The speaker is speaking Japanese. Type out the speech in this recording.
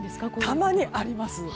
たまにあります。